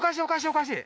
おかしい